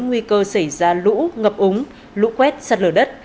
nguy cơ xảy ra lũ ngập ống lũ quét sạt lở đất